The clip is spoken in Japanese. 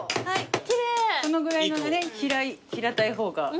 このぐらい平たい方が。